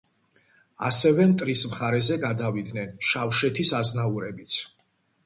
ასევე მტრის მხარეზე გადავიდნენ შავშეთის აზნაურებიც.